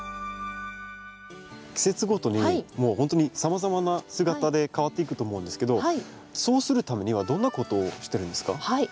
季節ごとにもうほんとにさまざまな姿で変わっていくと思うんですけどそうするためにはどんなことをしてるんですか？